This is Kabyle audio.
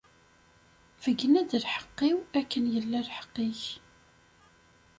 Beyyen-d lḥeqq-iw, akken yella lḥeqq-ik.